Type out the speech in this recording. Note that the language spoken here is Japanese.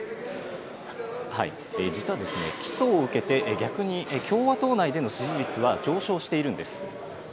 実はですね、起訴を受けて逆に共和党内での支持率は上昇しているんです。